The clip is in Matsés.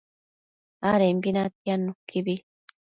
adembi natiad nuquibi